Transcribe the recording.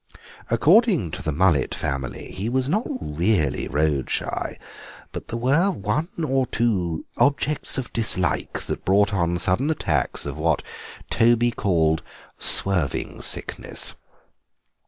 According to the Mullet family, he was not really road shy, but there were one or two objects of dislike that brought on sudden attacks of what Toby called the swerving sickness.